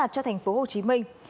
trong thành phố hồ chí minh